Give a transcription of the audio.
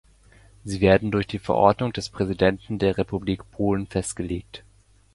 Sie werden durch Verordnung des Präsidenten der Republik Polen festgelegt.